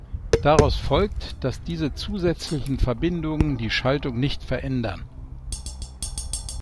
Daraus folgt, dass diese zusätzlichen Verbindungen die Schaltung nicht verändern.